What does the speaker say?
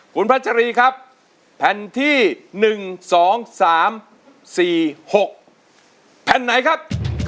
คุณพัชรีครับแผ่นที่๑๒๓๔๖แผ่นไหนครับ